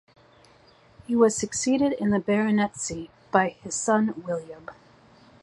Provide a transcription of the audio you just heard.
He was succeeded in the baronetcy by his son William